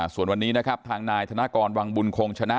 ส่วนวันนี้นะครับทางนายธนกรวังบุญคงชนะ